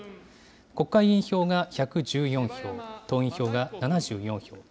国会議員票が１１４票、党員票が７４票。